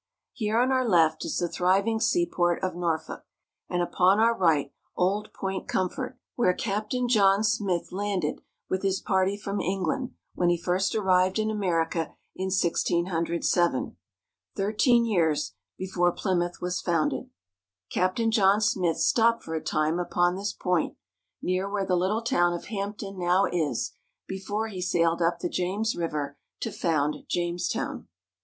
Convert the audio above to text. Here on our left is the thriving seaport of Norfolk, and upon our right Old Point Comfort, where Captain John Smith landed with his party from England when he first arrived in America in 1607, thirteen years before Plymouth lOO VIRGINIA. was founded. Captain John Smith stopped for a time upon this point, near where the Httle town of Hampton now is, before he sailed up the James River to found Jamestown.